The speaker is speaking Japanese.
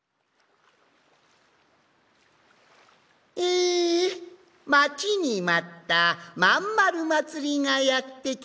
えまちにまった「まんまるまつり」がやってきました。